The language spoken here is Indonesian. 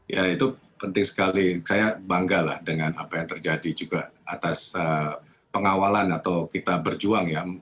ya itu penting sekali saya bangga lah dengan apa yang terjadi juga atas pengawalan atau kita berjuang ya